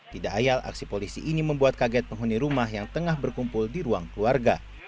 tidak ayal aksi polisi ini membuat kaget penghuni rumah yang tengah berkumpul di ruang keluarga